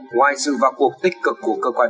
ngoài sự vào cuộc tích cực của cơ quan